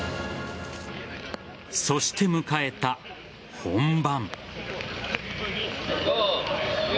そして、迎えた本番。